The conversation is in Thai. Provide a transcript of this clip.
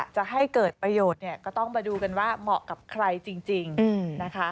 จะให้เกิดประโยชน์เนี่ยก็ต้องมาดูกันว่าเหมาะกับใครจริงนะคะ